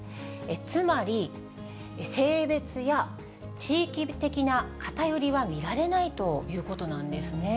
つまり性別や地域的な偏りは見られないということなんですね。